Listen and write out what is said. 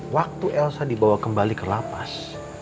waktu elsa dibawa kembali ke lapas